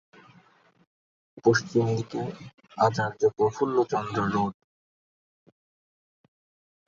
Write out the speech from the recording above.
পশ্চিম দিকে আচার্য প্রফুল্লচন্দ্র রোড।